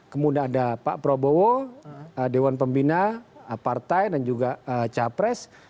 kemudian ada pak prabowo dewan pembina partai dan juga capres